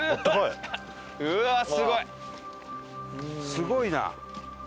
すごいな！